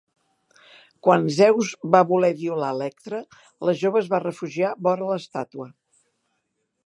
Quan Zeus va voler violar Electra, la jove es va refugiar vora l'estàtua.